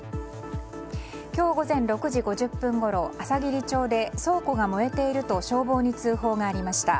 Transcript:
今日午前６時５０分ごろあさぎり町で倉庫が燃えていると消防に通報がありました。